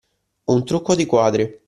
Un trucco di quadri.